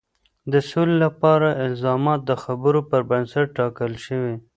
د سولې لپاره الزامات د خبرو پر بنسټ ټاکل شوي.